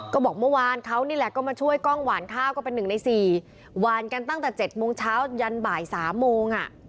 ก็บอกเมื่อวานเขานี่แหละก็มาช่วยกล้องหวานข้าวก็เป็น๑ใน๔หวานกันตั้งแต่๗โมงเช้ายันบ่าย๓โมง